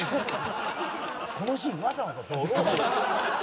「このシーンわざわざドローン？」